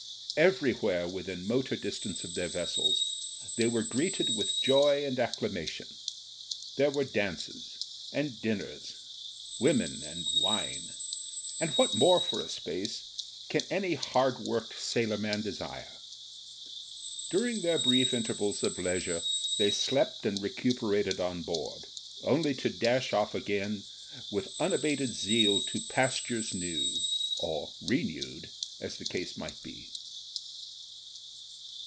Everywhere within motor distance of their vessels they were greeted with joy and acclamation; there were dances and dinners, women and wine — and what more for a space can any hard worked sailor man desire? During their brief intervals of leisure they slept and recuperated on board, only to dash off again with unabated zeal to pastures new, or renewed, as the case might be.